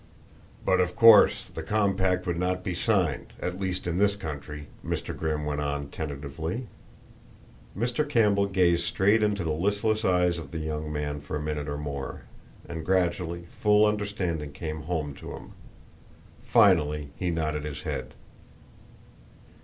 "But, of course, the compact would not be signed, at least in this country," Mr. Grimm went on tentatively. Mr. Campbell gazed straight into the listless eyes of the young man for a minute or more, and gradually full understanding came home to him. Finally he nodded his head.